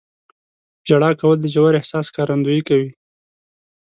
• ژړا کول د ژور احساس ښکارندویي کوي.